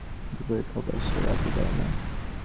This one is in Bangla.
দুপুরের খাবার সে রাতে দেয় না।